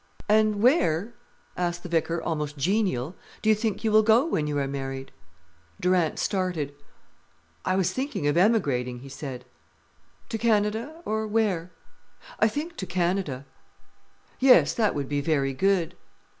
"And where," asked the vicar, almost genial, "do you think you will go when you are married?" Durant started. "I was thinking of emigrating," he said. "To Canada? or where?" "I think to Canada." "Yes, that would be very good."